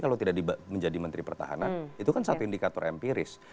karena rekonsiliasi kalau tidak menjadi menteri pertahanan itu kan satu indikator empiris